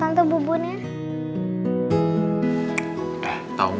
kau iyi juga